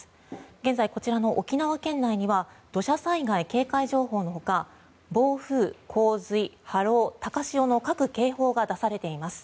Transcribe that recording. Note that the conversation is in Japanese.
現在、こちらの沖縄県内には土砂災害警戒情報のほか暴風、洪水、波浪、高潮の各警報が出されています。